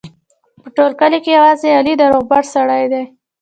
په ټول کلي کې یوازې علي د روغبړ سړی دی.